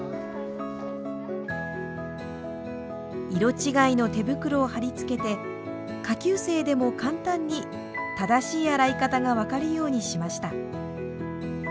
色違いの手袋を貼り付けて下級生でも簡単に正しい洗い方が分かるようにしました。